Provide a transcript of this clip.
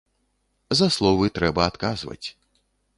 За словы трэба адказваць.